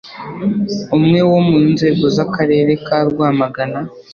Umwe wo mu nzego z'Akarere ka Rwamagana